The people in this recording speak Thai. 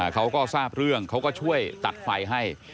เขาก็ทราบเรื่องเขาก็ช่วยตัดไฟให้